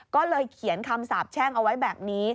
ก็เลยเขียนคำสาบแช่งเอาไว้แบบนี้